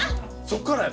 そっから。